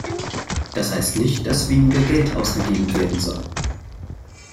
Das heißt nicht, dass weniger Geld ausgegeben werden soll.